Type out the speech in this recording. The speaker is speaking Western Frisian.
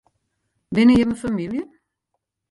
Binne jimme famylje?